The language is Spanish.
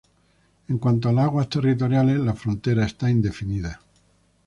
En cuanto a las aguas territoriales, la frontera está indefinida.